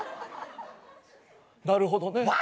なるほどね。